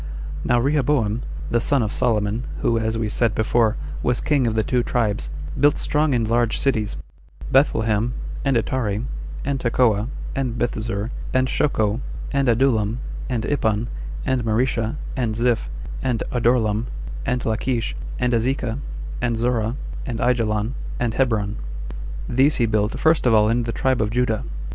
Now Rehoboam, the son of Solomon, who, as we said before, was king of the two tribes, built strong and large cities, Bethlehem, and Etare, and Tekoa, and Bethzur, and Shoco, and Adullam, and Ipan, and Maresha, and Ziph, and Adorlam, and Lachlsh, and Azekah, and Zorah, and Aijalon, and Hebron; these he built first of all in the tribe of Judah.